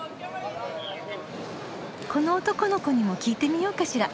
この男の子にも聞いてみようかしら。